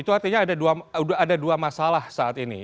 itu artinya ada dua masalah saat ini